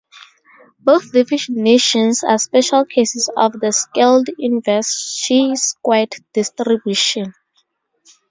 Both definitions are special cases of the scaled-inverse-chi-squared distribution.